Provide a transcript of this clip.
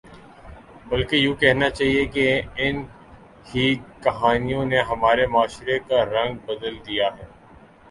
بلکہ یوں کہنا چاہیے کہ ان ہی کہانیوں نے ہمارے معاشرے کا رنگ بدل دیا ہے